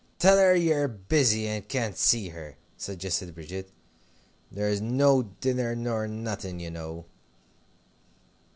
"Tell her ye're busy, and can't see her," suggested Bridget; "there's no dinner nor nothing, you know."